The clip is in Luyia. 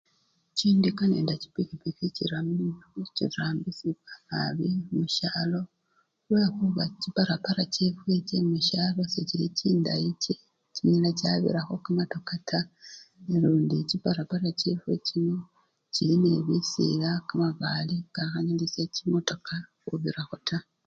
Chindika nende chipikipiki chiru! chirambisyibwa nabii khusyalo lwekhuba chiparapara chefwe chemusyalo sechili chindayi che! chinyala chabirakho kamatoka taa nalundi chiparapara chefwe chino, chili nebisila, kamabale kakhanyalisya chimotoka khubirakho taa.